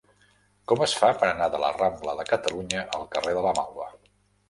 Com es fa per anar de la rambla de Catalunya al carrer de la Malva?